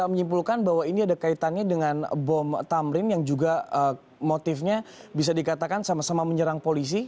menyimpulkan bahwa ini ada kaitannya dengan bom tamrin yang juga motifnya bisa dikatakan sama sama menyerang polisi